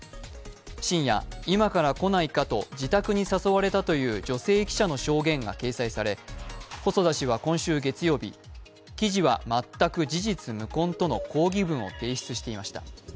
深夜、今から来ないかと自宅に誘われたという女性記者の証言が掲載され細田氏は今週月曜日、記事は全く事実無根との抗議文を提出していました。